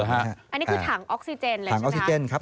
อันนี้คือถังออกซิเจนเลยใช่ไหม